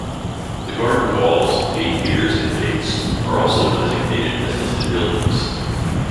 The garden walls, gate piers and gates are also designated as listed buildings.